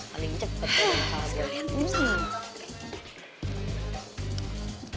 paling cepet tuh